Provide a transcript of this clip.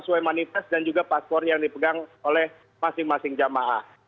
sesuai manifest dan juga paspor yang dipegang oleh masing masing jamaah